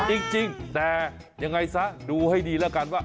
จริงแต่ยังไงซะดูให้ดีแล้วกันว่า